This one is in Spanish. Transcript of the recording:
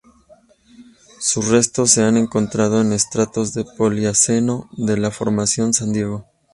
Sus restos se han encontrado en estratos del Plioceno de la Formación San Diego.